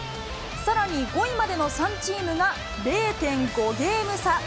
さらに５位までの３チームが０．５ゲーム差。